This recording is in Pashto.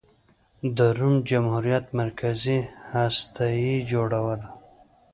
د روم جمهوریت مرکزي هسته یې جوړوله.